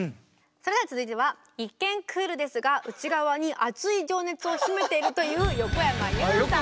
それでは続いては一見クールですが内側に熱い情熱を秘めているという横山裕さん。